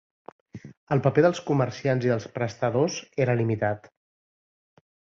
El paper dels comerciants i dels prestadors era limitat.